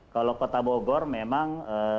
kalau kota bogor memang